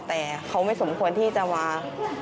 แต่เขาไม่สมควรที่จะวาง